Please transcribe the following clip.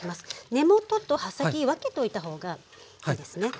根元と葉先分けておいた方がいいですね。